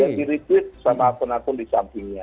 dan di requit sama akun akun di sampingnya